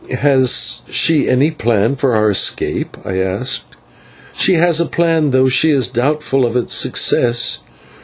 "Has she any plan for our escape?" I asked. "She has a plan, though she is doubtful of its success.